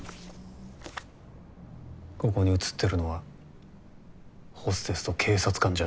ここに写ってるのはホステスと警察官じゃねえ。